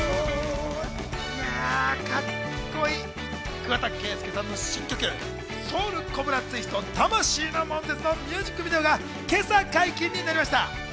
桑田佳祐さんの新曲、『Ｓｏｕｌコブラツイスト魂の悶絶』のミュージックビデオが今朝解禁になりました。